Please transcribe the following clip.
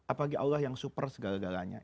apalagi allah yang super segala galanya